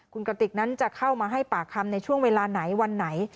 คุณกติกนั้นจะเข้ามาให้ปากคำในช่วงเวลาไหนวันไหน